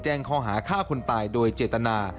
ข้อหาฆ่าคนตายโดยเจตนา